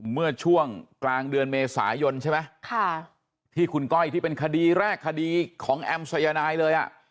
เมื่อช่วงกลางเดือนเมษายนใช่ไหมที่คุณก้อยที่เป็นคดีแรกคดีของแอมสายนายเลยอ่ะ